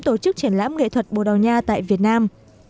tổ chức triển lãm nghệ thuật bồ đào nha tại việt nam